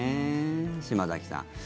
島崎さん。